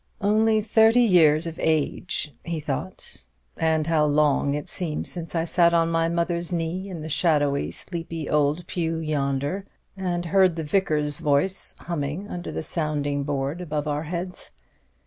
"Only thirty years of age," he thought; "and how long it seems since I sat on my mother's knee in the shadowy, sleepy old pew yonder, and heard the vicar's voice humming under the sounding board above our heads!